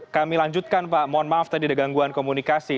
kami lanjutkan pak mohon maaf tadi ada gangguan komunikasi